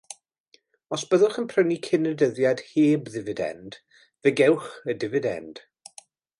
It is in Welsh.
Os byddwch yn prynu cyn y dyddiad ‘heb ddifidend' fe gewch y difidend.